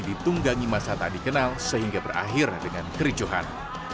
ditunggangi masa tak dikenal sehingga berakhir dengan kericuhan